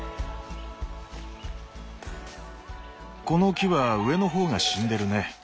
この木は上の方が死んでるね。